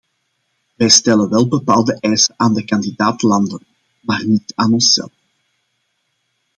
Wij stellen wel bepaalde eisen aan de kandidaat-landen, maar niet aan onszelf.